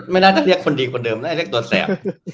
ไม่น่าจะเรียกคนดีกว่าเดิมน่าจะเรียกตัวแสบ